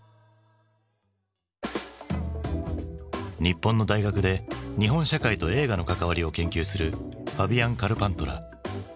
日本の大学で日本社会と映画の関わりを研究するファビアン・カルパントラ。